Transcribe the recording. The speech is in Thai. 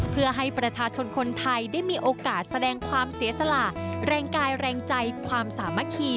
เพื่อให้ประชาชนคนไทยได้มีโอกาสแสดงความเสียสละแรงกายแรงใจความสามัคคี